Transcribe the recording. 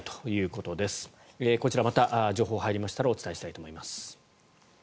こちら、また情報入りましたらお伝えしたいと思います。